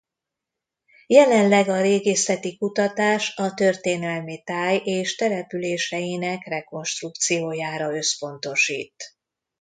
Jelenleg a régészeti kutatás a történelmi táj és településeinek rekonstrukciójára összpontosít.